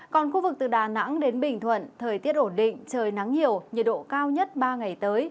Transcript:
còn khu vực từ đà nẵng đến bình thuận thời tiết ổn định trời nắng nhiều nhiệt độ cao nhất ba ngày tới